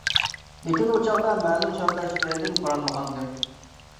لېكىن ئۇ چاغدا مەلۇم سەۋەبلەر تۈپەيلىدىن بارالمىغانىدىم.